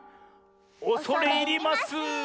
おそれいります。